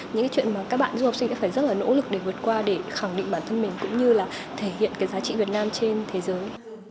những cái chuyện mà các bạn du học sinh sẽ phải rất là nỗ lực để vượt qua để khẳng định bản thân mình cũng như là thể hiện cái giá trị việt nam trên thế giới